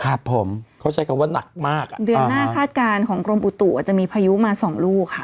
ครับผมเขาใช้คำว่าหนักมากอ่ะเดือนหน้าคาดการณ์ของกรมอุตุอาจจะมีพายุมาสองลูกค่ะ